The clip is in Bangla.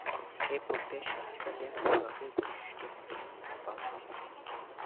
এই প্রক্রিয়ার সাহায্যে অভিভাবকের বৈশিষ্ট্যের মতো সন্তান পাওয়া সম্ভব।